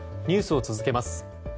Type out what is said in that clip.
ニュースを続けます。